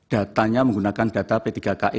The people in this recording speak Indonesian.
datanya menggunakan data p tiga ki